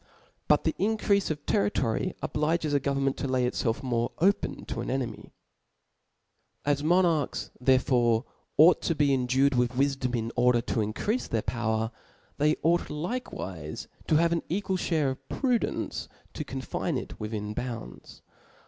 But the increafe of terri tory obliges a government to lay icfelf more open to an enemy^ As Monarchs therefore ought to be endued with wlfdom in order totncreafe their power, theyougho likewife to have an equal (hare of prudence to con , fine it within bounds.